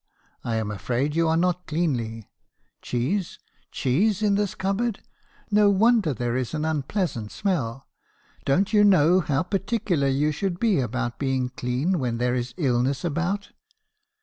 'I am afraid you are not cleanly. Cheese !— cheese in this cupboard ! No won der there is an unpleasant smell. Don't you know how par ticular you should be about being clean when there is illness about?'